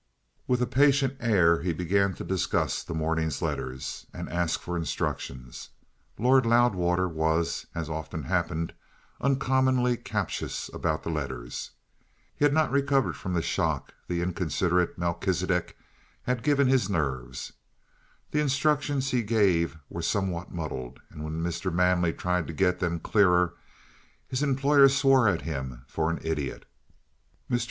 With a patient air he began to discuss the morning's letters, and ask for instructions. Lord Loudwater was, as often happened, uncommonly captious about the letters. He had not recovered from the shock the inconsiderate Melchisidec had given his nerves. The instructions he gave were somewhat muddled; and when Mr. Manley tried to get them clearer, his employer swore at him for an idiot. Mr.